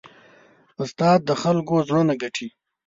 استاد د خلکو زړونه ګټي.